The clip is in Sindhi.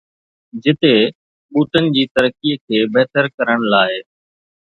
جتي ٻوٽن جي ترقي کي بهتر ڪرڻ لاء